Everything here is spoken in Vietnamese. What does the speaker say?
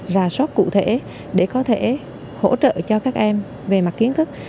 rà soát cụ thể để có thể hỗ trợ cho các em về mặt kiến thức